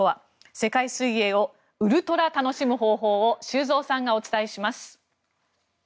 世界水泳をウルトラ楽しむ方法を修造さんがお伝えいます。